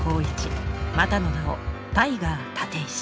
またの名をタイガー立石。